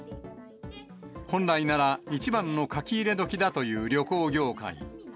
本来なら、一番の書き入れ時だという旅行業界。